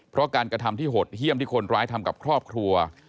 เพราะการกระทำที่หดเยี่ยมที่คนร้ายทำกับครอบครัว